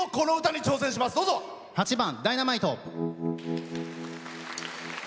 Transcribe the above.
８番「Ｄｙｎａｍｉｔｅ」。